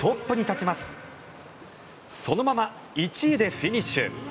そのまま１位でフィニッシュ。